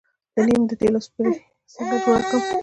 د نیم د تیلو سپری څنګه جوړ کړم؟